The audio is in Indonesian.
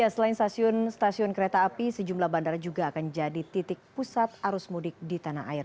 selain stasiun stasiun kereta api sejumlah bandara juga akan jadi titik pusat arus mudik di tanah air